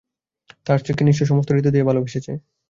তার স্ত্রীকে নিশ্চয়ই সমস্ত হৃদয় দিয়ে ভালোবেসেছে।